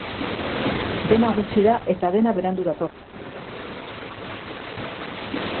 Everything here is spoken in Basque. Dena gutxi da eta dena berandu dator.